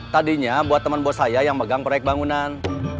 tadinya buat temen bos saya yang megang proyek bangunan